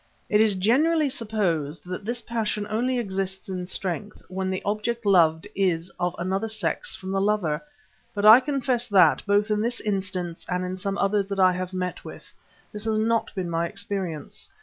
It is generally supposed that this passion only exists in strength when the object loved is of another sex from the lover, but I confess that, both in this instance and in some others which I have met with, this has not been my experience.